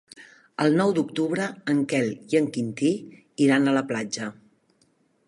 El nou d'octubre en Quel i en Quintí iran a la platja.